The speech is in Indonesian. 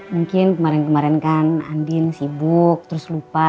mungkin kemarin kemarin kan andin sibuk terus lupa